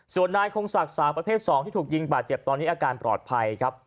ส่วนนายคงศักดิ์สาวประเภท๒ที่ถูกยิงบาดเจ็บตอนนี้อาการปลอดภัยครับ